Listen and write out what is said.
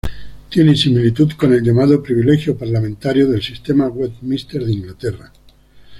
Tiene similitud con el llamado Privilegio parlamentario del Sistema Westminster de Inglaterra.